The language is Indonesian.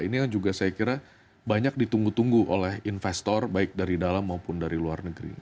ini yang juga saya kira banyak ditunggu tunggu oleh investor baik dari dalam maupun dari luar negeri